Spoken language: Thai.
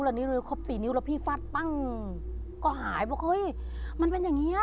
แล้วนิ้วครบสี่นิ้วแล้วพี่ฟัดปั้งก็หายบอกเฮ้ยมันเป็นอย่างเงี้